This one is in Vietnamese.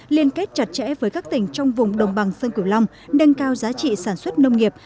liên kết chặt chẽ với các tỉnh trong vùng đồng bằng sơn cửu long nâng cao giá trị sản xuất nông nghiệp